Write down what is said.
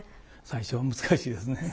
最初は難しいですね。